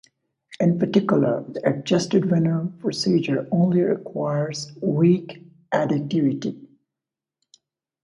In particular the adjusted winner procedure only requires weak additivity.